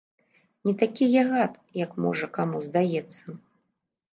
Не такі я гад, як, можа, каму здаецца.